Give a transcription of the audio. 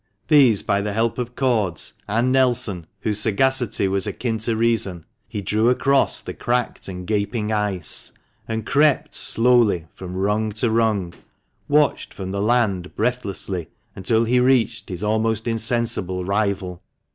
These, by the help of cords and Nelson, whose sagacity was akin to reason, he drew across the cracked and gaping ice ; and crept slowly from rung to rung, watched from the land breathlessly, until he reached his almost insensible rival.